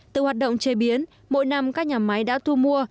từ hoạt động chế biến mỗi năm các nhà máy đã thu mua